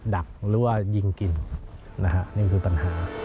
ดักหรือว่ายิงกินนะฮะนี่คือปัญหา